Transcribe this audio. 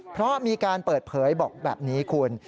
เพราะมีการเปิดเผยบอกแบบนี้คุณ